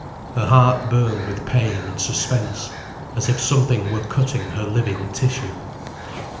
Her heart burned with pain and suspense, as if something were cutting her living tissue.